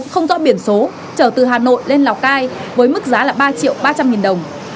không rõ biển số trở từ hà nội lên lào cai với mức giá là ba triệu ba trăm linh nghìn đồng